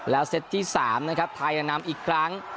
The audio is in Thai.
แล้วเซ็ตที่สามนะครับไทยนำอีกครั้ง